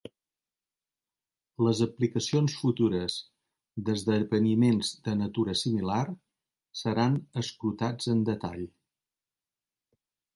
Les aplicacions futures d'esdeveniments de natura similar seran escrutats en detall.